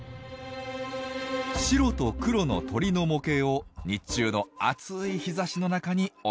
白と黒の鳥の模型を日中の暑い日ざしの中に置いておきます。